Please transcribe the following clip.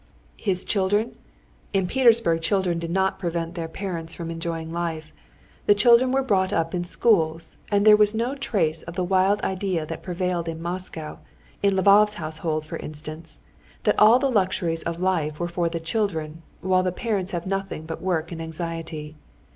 His children? In Petersburg children did not prevent their parents from enjoying life. The children were brought up in schools, and there was no trace of the wild idea that prevailed in Moscow, in Lvov's household, for instance, that all the luxuries of life were for the children, while the parents have nothing but work and anxiety.